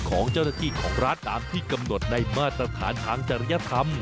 ของเจ้าหน้าที่ของร้านตามที่กำหนดในมาตรฐานทางจริยธรรม